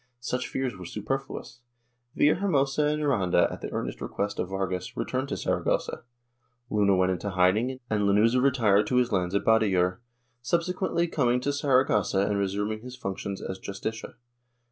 Such fears were superfluous. Villahermosa and Aranda, at the earnest rec|uest of \^argas, returned to Saragossa; Luna went into hiding and Lanuza retired to his lands at Badallur, subsequently coming to Saragossa and resuming his functions as Justicia.